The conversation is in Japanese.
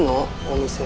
お店。